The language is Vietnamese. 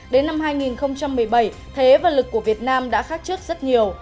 đến năm hai nghìn một mươi bảy thế và lực của việt nam đã khác trước rất nhiều